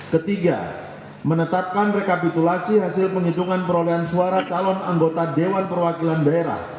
ketiga menetapkan rekapitulasi hasil penghitungan perolehan suara calon anggota dewan perwakilan daerah